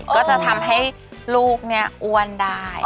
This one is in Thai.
ก็จะทำให้ลูกเนี่ยอ้วนได้